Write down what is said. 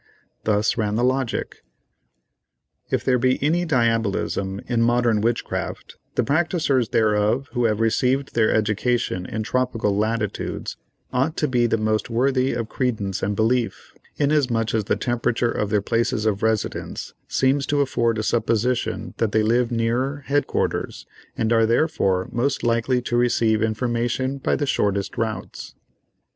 Thus ran the logic: If there be any diabolism in modern witchcraft, the practisers thereof who have received their education in tropical latitudes ought to be the most worthy of credence and belief, inasmuch as the temperature of their places of residence seems to afford a supposition that they live nearer head quarters, and are, therefore, most likely to receive information by the shortest routes.